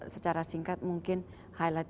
secara singkat mungkin highlight